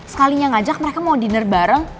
sekalinya ngajak mereka mau dinner bareng